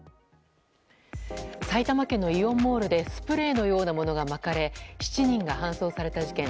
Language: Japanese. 埼玉県のイオンモールでスプレーのようなものがまかれ７人が搬送された事件。